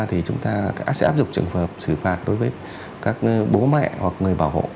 thì chúng ta sẽ áp dụng trường hợp xử phạt đối với các bố mẹ hoặc người bảo hộ